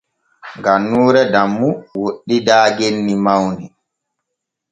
Gannuure Dammu woɗɗidaa genni mawni.